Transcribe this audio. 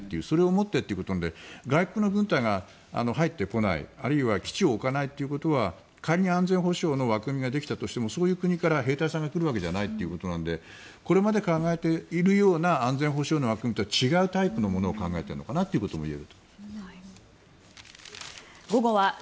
それをもってということなので外国の軍隊が入ってこないあるいは基地を置かないということは仮に安全保障の枠組みができたとしてもそういう国から兵隊さんが来るわけじゃないということなのでこれまで考えているような安全保障の枠組みとは違うタイプのものを考えているのかなということは言えると思います。